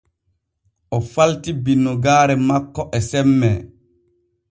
O falti binnugaare makko e semmee.